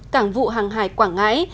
cảng vụ hàng hải quảng ngãi